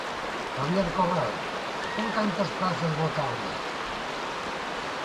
Javier Corral, con cantas prazas bota a andar?